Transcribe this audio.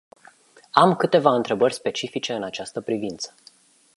Am câteva întrebări specifice în această privință.